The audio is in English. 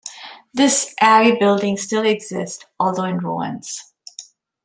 This abbey building still exists, although in ruins.